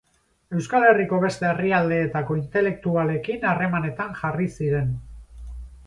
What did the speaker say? Euskal Herriko beste herrialdeetako intelektualekin harremanetan jarri ziren.